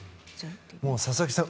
佐々木さん